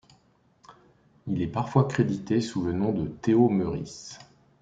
Il est parfois crédité sous le nom de Théo Meurisse.